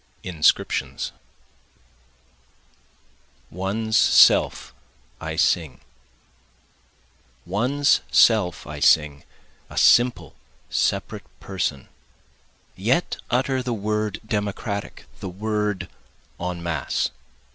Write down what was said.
INSCRIPTIONS One's Self I Sing One's self I sing, a simple separate person, Yet utter the word Democratic, the word En Masse.